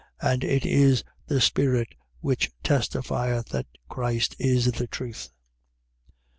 And it is the Spirit which testifieth that Christ is the truth.